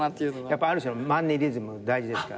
やっぱある種のマンネリズム大事ですからね。